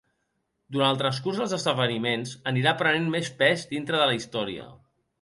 Durant el transcurs dels esdeveniments anirà prenent més pes dintre de la història.